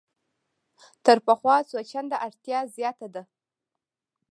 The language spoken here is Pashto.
تر پخوا څو چنده اړتیا زیاته ده.